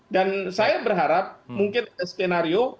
dan saya berharap mungkin skenario